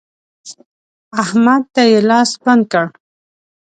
احمد ته يې لاس بند کړ.